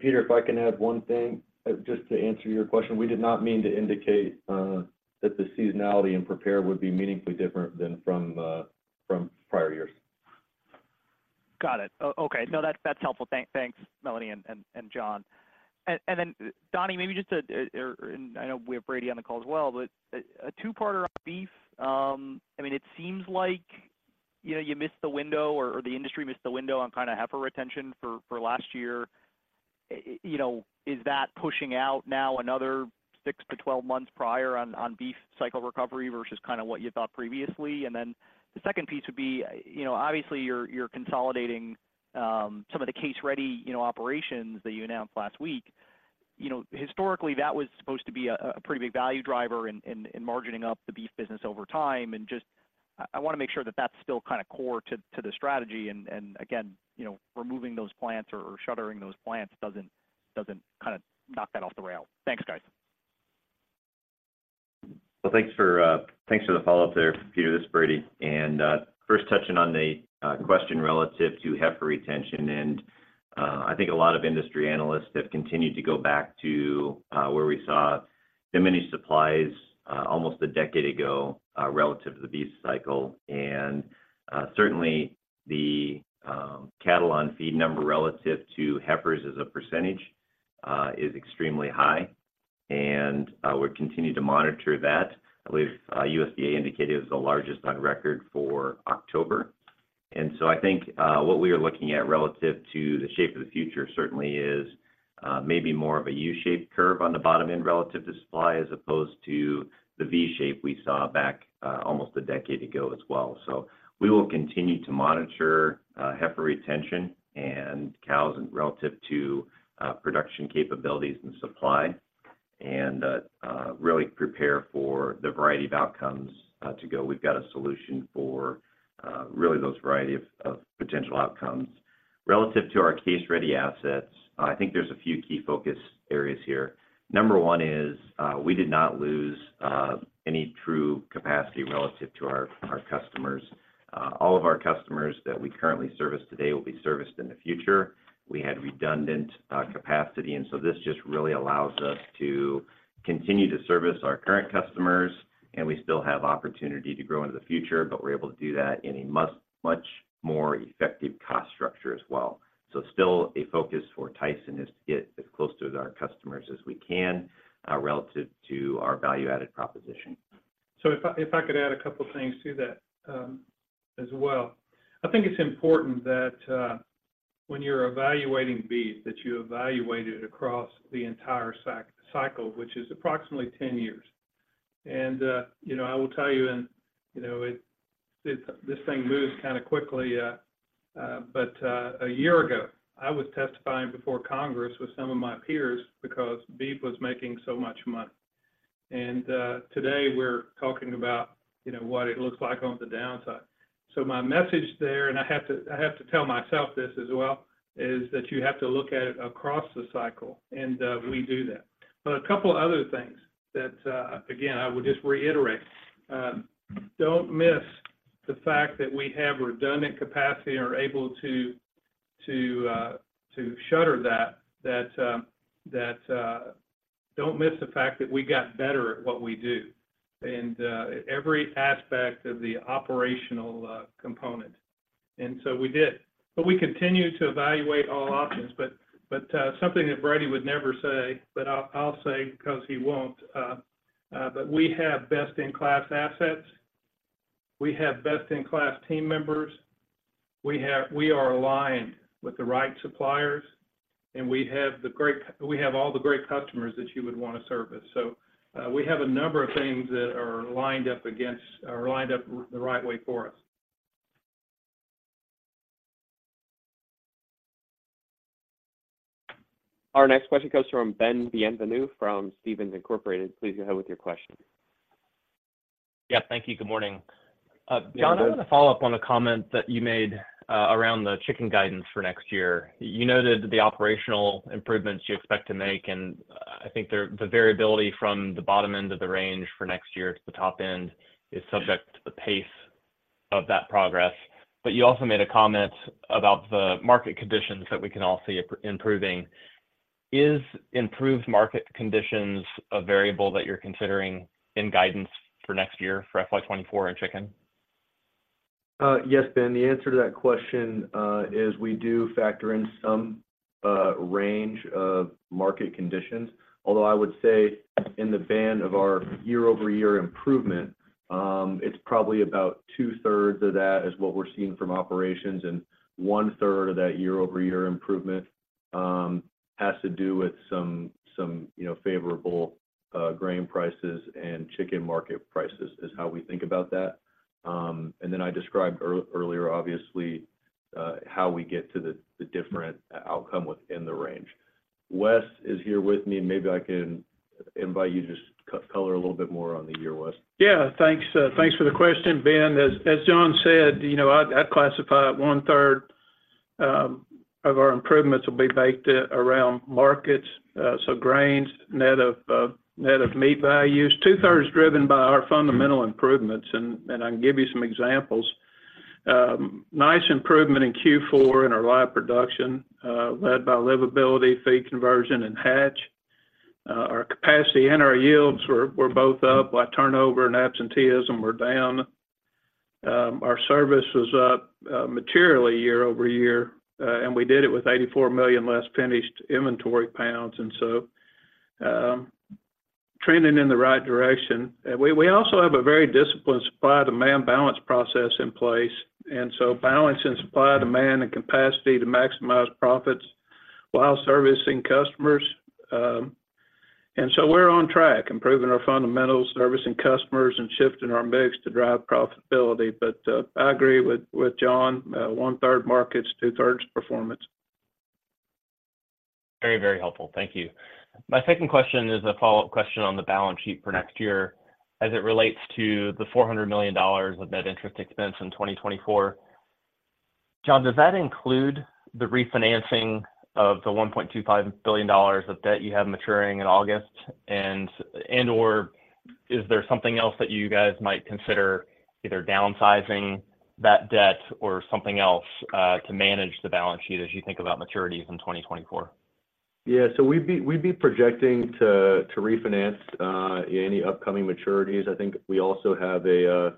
Peter, if I can add one thing, just to answer your question. We did not mean to indicate that the seasonality in prepared would be meaningfully different than from prior years. Got it. Okay, no, that's, that's helpful. Thanks, Melanie and John. And then, Donnie, maybe just a. And I know we have Brady on the call as well, but a two-parter on beef. I mean, it seems like, you know, you missed the window or the industry missed the window on kind of heifer retention for last year. You know, is that pushing out now another 6-12 months prior on beef cycle recovery versus kind of what you thought previously? And then the second piece would be, you know, obviously, you're consolidating some of the case-ready, you know, operations that you announced last week. You know, historically, that was supposed to be a pretty big value driver in margining up the beef business over time. Just, I want to make sure that that's still kind of core to the strategy. And again, you know, removing those plants or shuttering those plants doesn't kind of knock that off the rail. Thanks, guys. Well, thanks for, thanks for the follow-up there, Peter. This is Brady. And, first touching on the question relative to heifer retention. And, I think a lot of industry analysts have continued to go back to where we saw diminished supplies almost a decade ago relative to the beef cycle. And, certainly, the cattle on feed number relative to heifers as a percentage is extremely high, and we're continuing to monitor that. I believe USDA indicated it was the largest on record for October. And so I think what we are looking at relative to the shape of the future certainly is maybe more of a U-shaped curve on the bottom end relative to supply, as opposed to the V shape we saw back almost a decade ago as well. So we will continue to monitor heifer retention and cows and relative to production capabilities and supply, and really prepare for the variety of outcomes to go. We've got a solution for really those variety of potential outcomes. Relative to our case-ready assets, I think there's a few key focus areas here. Number one is, we did not lose any true capacity relative to our customers. All of our customers that we currently service today will be serviced in the future. We had redundant capacity, and so this just really allows us to continue to service our current customers, and we still have opportunity to grow into the future, but we're able to do that in a much, much more effective cost structure as well. So still, a focus for Tyson is to get as close to our customers as we can, relative to our value-added proposition. So if I, if I could add a couple of things to that, as well. I think it's important that, when you're evaluating beef, that you evaluate it across the entire cycle, which is approximately 10 years. And, you know, I will tell you, and you know, it this thing moves kind of quickly, but, 1 year ago, I was testifying before Congress with some of my peers because beef was making so much money. And, today, we're talking about, you know, what it looks like on the downside. So my message there, and I have to, I have to tell myself this as well, is that you have to look at it across the cycle, and, we do that. But a couple of other things that, again, I would just reiterate. Don't miss the fact that we have redundant capacity and are able to shutter that. Don't miss the fact that we got better at what we do and every aspect of the operational component, and so we did. But we continue to evaluate all options. But something that Brady would never say, but I'll say because he won't, but we have best-in-class assets. We have best-in-class team members. We are aligned with the right suppliers, and we have all the great customers that you would want to service. So we have a number of things that are lined up against or lined up the right way for us. Our next question comes from Ben Bienvenu from Stephens Incorporated. Please go ahead with your question. Yeah, thank you. Good morning. John, I want to follow up on a comment that you made around the chicken guidance for next year. You noted the operational improvements you expect to make, and I think the variability from the bottom end of the range for next year to the top end is subject to the pace of that progress. But you also made a comment about the market conditions that we can all see improving. Is improved market conditions a variable that you're considering in guidance for next year, for FY 2024 in chicken? Yes, Ben, the answer to that question is we do factor in some range of market conditions. Although I would say in the band of our year-over-year improvement, it's probably about two-thirds of that is what we're seeing from operations, and one-third of that year-over-year improvement has to do with some, some, you know, favorable grain prices and chicken market prices, is how we think about that. And then I described earlier, obviously, how we get to the different outcome within the range. Wes is here with me, and maybe I can invite you to just color a little bit more on the year, Wes. Yeah, thanks. Thanks for the question, Ben. As John said, you know, I'd classify it one-third of our improvements will be baked around markets, so grains, net of meat values. Two-thirds driven by our fundamental improvements, and I can give you some examples. Nice improvement in Q4 in our live production, led by livability, feed conversion, and hatch. Our capacity and our yields were both up, while turnover and absenteeism were down. Our service was up materially year-over-year, and we did it with 84 million less finished inventory pounds, and so, trending in the right direction. We also have a very disciplined supply-demand balance process in place, and so balancing supply, demand, and capacity to maximize profits while servicing customers. And so we're on track, improving our fundamentals, servicing customers, and shifting our mix to drive profitability. But, I agree with John, one-third markets, two-thirds performance. Very, very helpful. Thank you. My second question is a follow-up question on the balance sheet for next year as it relates to the $400 million of net interest expense in 2024. John, does that include the refinancing of the $1.25 billion of debt you have maturing in August? And, and or is there something else that you guys might consider, either downsizing that debt or something else, to manage the balance sheet as you think about maturities in 2024? Yeah. So we'd be projecting to refinance any upcoming maturities. I think we also have a,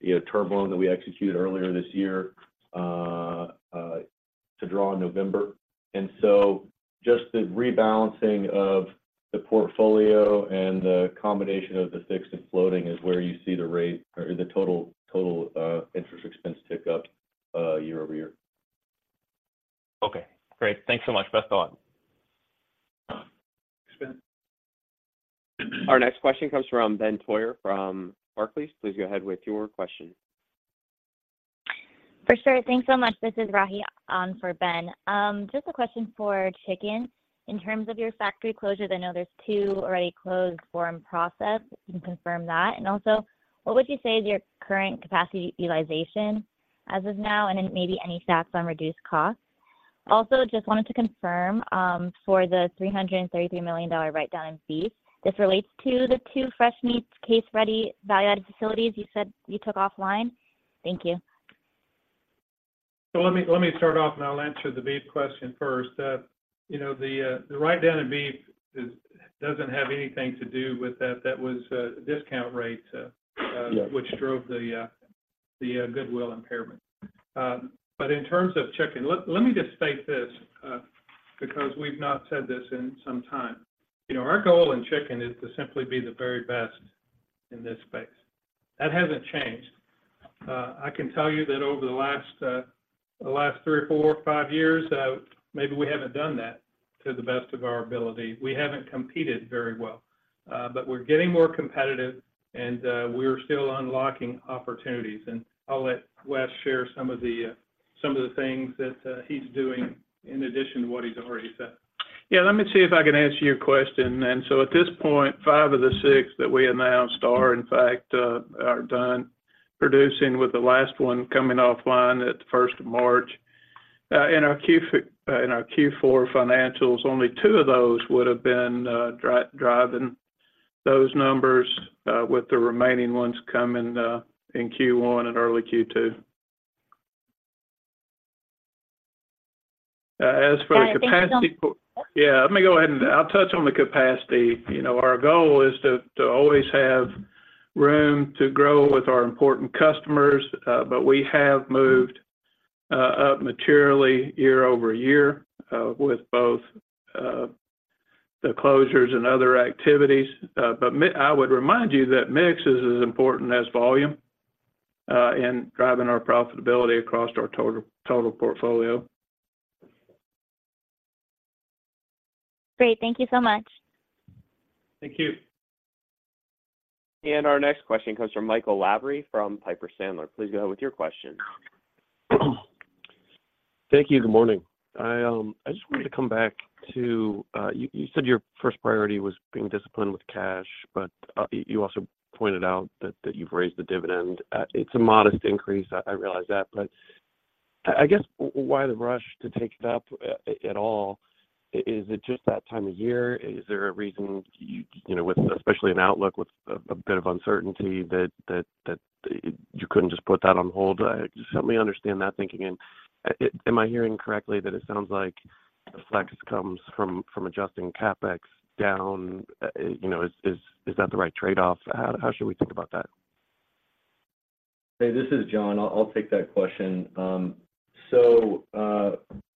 you know, term loan that we executed earlier this year to draw in November. And so just the rebalancing of the portfolio and the combination of the fixed and floating is where you see the rate or the total interest expense tick up year-over-year. Okay, great. Thanks so much. Best of luck. Thanks, Ben. Our next question comes from Ben Toyer from Barclays. Please go ahead with your question. For sure. Thanks so much. This is Rahi on for Ben. Just a question for chicken. In terms of your factory closures, I know there's 2 already closed or in process. Can you confirm that? And also, what would you say is your current capacity utilization as of now, and then maybe any stats on reduced costs? Also, just wanted to confirm, for the $333 million write-down in beef, this relates to the 2 fresh meats, case-ready value-added facilities you said you took offline? Thank you. So let me, let me start off, and I'll answer the beef question first. You know, the write-down in beef doesn't have anything to do with that. That was a discount rate. Which drove the goodwill impairment. But in terms of chicken, let me just state this, because we've not said this in some time. You know, our goal in chicken is to simply be the very best in this space. That hasn't changed. I can tell you that over the last three or four or five years, maybe we haven't done that to the best of our ability. We haven't competed very well, but we're getting more competitive, and we're still unlocking opportunities. And I'll let Wes share some of the things that he's doing in addition to what he's already said. Yeah, let me see if I can answer your question. So at this point, five of the six that we announced are, in fact, done producing, with the last one coming online at the first of March. In our Q4 financials, only two of those would have been driving those numbers, with the remaining ones coming in Q1 and early Q2. As for the capacity. Got it. Thank you so much. Yeah, let me go ahead and I'll touch on the capacity. You know, our goal is to always have room to grow with our important customers, but we have moved up materially year-over-year with both the closures and other activities. But I would remind you that mix is as important as volume in driving our profitability across our total portfolio. Great. Thank you so much. Thank you. Our next question comes from Michael Lavery from Piper Sandler. Please go ahead with your question. Thank you. Good morning. I just wanted to come back to... You said your first priority was being disciplined with cash, but you also pointed out that you've raised the dividend. It's a modest increase, I realize that, but I guess, why the rush to take it up at all? Is it just that time of year? Is there a reason you know, with especially an outlook with a bit of uncertainty, that you couldn't just put that on hold? Just help me understand that thinking. And am I hearing correctly that it sounds like the flex comes from adjusting CapEx down? You know, is that the right trade-off? How should we think about that? Hey, this is John. I'll take that question. So,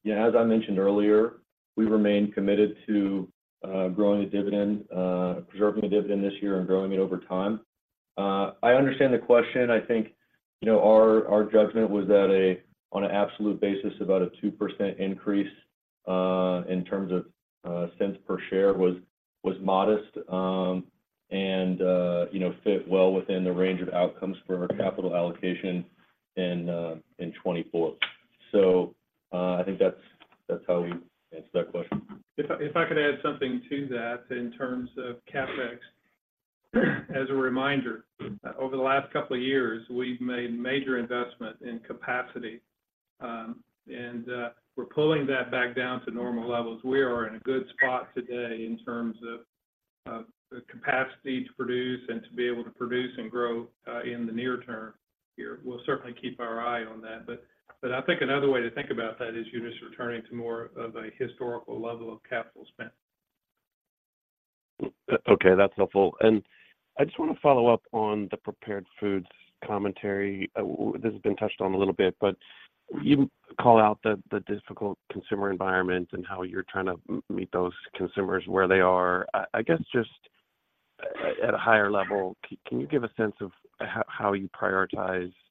yeah, as I mentioned earlier, we remain committed to growing the dividend, preserving the dividend this year and growing it over time. I understand the question. I think, you know, our judgment was that, on an absolute basis, about a 2% increase in terms of cents per share was modest, and, you know, fit well within the range of outcomes for our capital allocation in 2024. So, I think that's how we answer that question. If I could add something to that in terms of CapEx. As a reminder, over the last couple of years, we've made major investment in capacity, and we're pulling that back down to normal levels. We are in a good spot today in terms of the capacity to produce and to be able to produce and grow in the near term here. We'll certainly keep our eye on that, but I think another way to think about that is you're just returning to more of a historical level of capital spend. Okay, that's helpful. And I just want to follow up on the prepared foods commentary. This has been touched on a little bit, but you call out the difficult consumer environment and how you're trying to meet those consumers where they are. I guess, just at a higher level, can you give a sense of how you prioritize the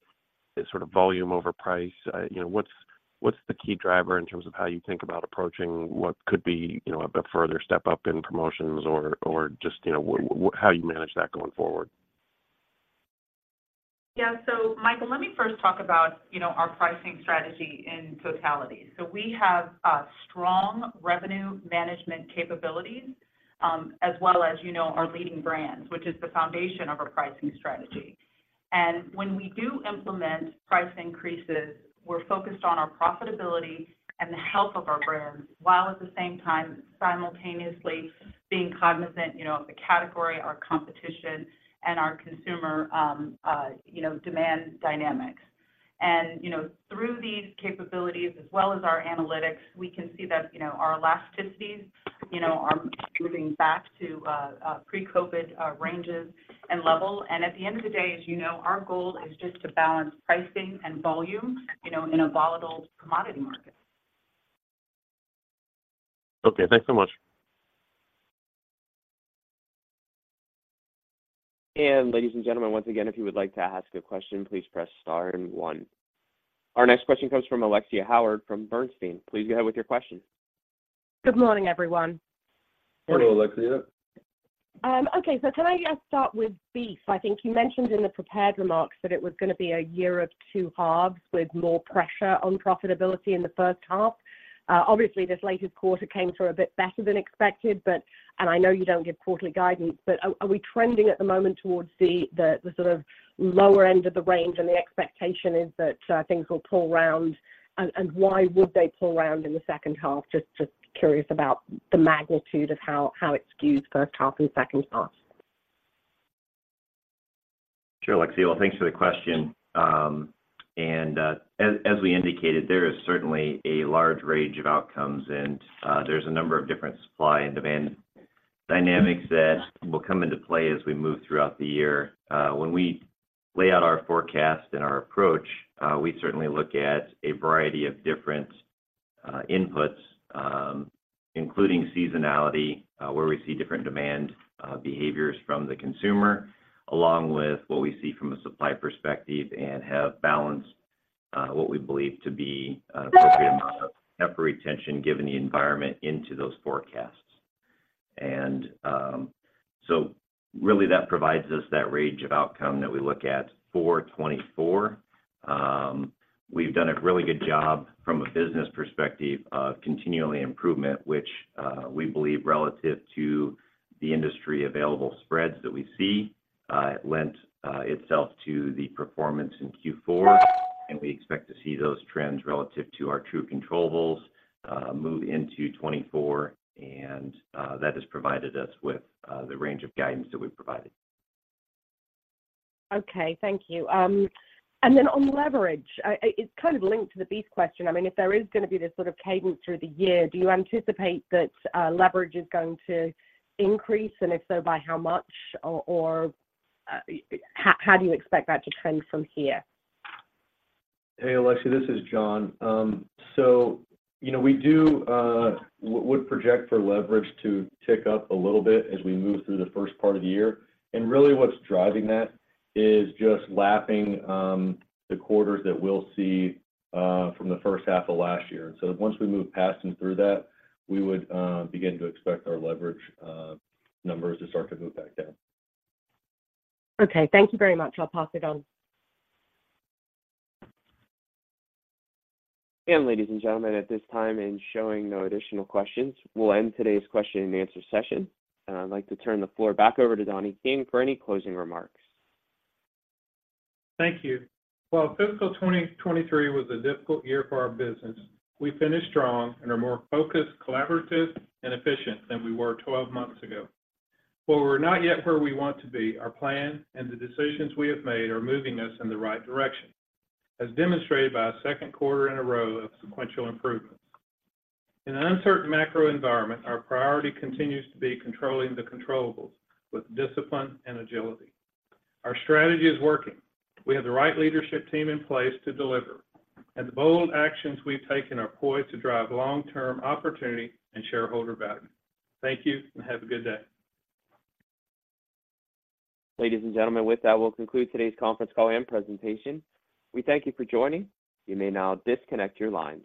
sort of volume over price? You know, what's the key driver in terms of how you think about approaching what could be, you know, a further step up in promotions or just how you manage that going forward? Yeah. So Michael, let me first talk about, you know, our pricing strategy in totality. So we have a strong revenue management capabilities, as well as, you know, our leading brands, which is the foundation of our pricing strategy. And when we do implement price increases, we're focused on our profitability and the health of our brands, while at the same time, simultaneously being cognizant, you know, of the category, our competition, and our consumer, you know, demand dynamics. And, you know, through these capabilities, as well as our analytics, we can see that, you know, our elasticities, you know, are moving back to, pre-COVID, ranges and level. And at the end of the day, as you know, our goal is just to balance pricing and volume, you know, in a volatile commodity market. Okay, thanks so much. Ladies and gentlemen, once again, if you would like to ask a question, please press star and one. Our next question comes from Alexia Howard, from Bernstein. Please go ahead with your question. Good morning, everyone. Morning, Alexia. Okay, so can I just start with beef? I think you mentioned in the prepared remarks that it was going to be a year of two halves, with more pressure on profitability in the first half. Obviously, this latest quarter came through a bit better than expected, but. And I know you don't give quarterly guidance, but, are we trending at the moment towards the sort of lower end of the range, and the expectation is that things will pull round? And why would they pull round in the second half? Just curious about the magnitude of how it skews first half and second half. Sure, Alexia. Well, thanks for the question. And as we indicated, there is certainly a large range of outcomes, and there's a number of different supply and demand dynamics that will come into play as we move throughout the year. When we lay out our forecast and our approach, we certainly look at a variety of different inputs, including seasonality, where we see different demand behaviors from the consumer, along with what we see from a supply perspective, and have balanced what we believe to be an appropriate amount of temper retention, given the environment into those forecasts. And so really, that provides us that range of outcome that we look at. 2024, we've done a really good job from a business perspective of continually improvement, which we believe relative to the industry available spreads that we see lent itself to the performance in Q4. And we expect to see those trends relative to our true controllables move into 2024, and that has provided us with the range of guidance that we've provided. Okay. Thank you. And then on leverage, it's kind of linked to the beef question. I mean, if there is going to be this sort of cadence through the year, do you anticipate that leverage is going to increase? And if so, by how much, or how do you expect that to trend from here? Hey, Alexia, this is John. So, you know, we would project for leverage to tick up a little bit as we move through the first part of the year. And really what's driving that is just lapping the quarters that we'll see from the first half of last year. So once we move past and through that, we would begin to expect our leverage numbers to start to move back down. Okay, thank you very much. I'll pass it on. Ladies and gentlemen, at this time, and showing no additional questions, we'll end today's question and answer session. I'd like to turn the floor back over to Donnie King for any closing remarks. Thank you. Well, fiscal 2023 was a difficult year for our business. We finished strong and are more focused, collaborative, and efficient than we were 12 months ago. While we're not yet where we want to be, our plan and the decisions we have made are moving us in the right direction, as demonstrated by a second quarter in a row of sequential improvements. In an uncertain macro environment, our priority continues to be controlling the controllables with discipline and agility. Our strategy is working. We have the right leadership team in place to deliver, and the bold actions we've taken are poised to drive long-term opportunity and shareholder value. Thank you, and have a good day. Ladies and gentlemen, with that, we'll conclude today's conference call and presentation. We thank you for joining. You may now disconnect your lines.